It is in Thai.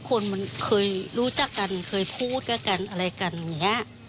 คนมันเคยรู้จักกันเคยพูดก็กันอะไรกันอย่างนี้